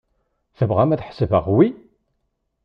Tebɣam ad ḥesbeɣ wi?